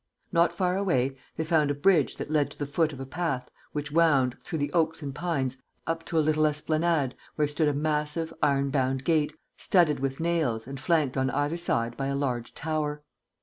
Not far away they found a bridge that led to the foot of a path which wound, through the oaks and pines, up to a little esplanade, where stood a massive, iron bound gate, studded with nails and flanked on either side by a large tower.